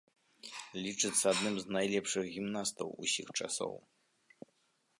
Лічыцца адным з найлепшых гімнастаў усіх часоў.